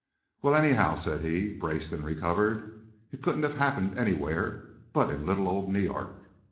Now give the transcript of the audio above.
"Well, anyhow," said he, braced and recovered, "it couldn't have happened anywhere but in little old New York."